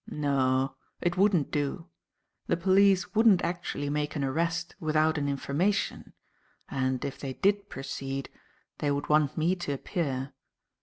"No, it wouldn't do. The police wouldn't actually make an arrest without an information; and, if they did proceed, they would want me to appear.